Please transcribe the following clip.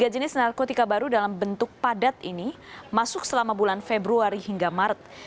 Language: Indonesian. tiga jenis narkotika baru dalam bentuk padat ini masuk selama bulan februari hingga maret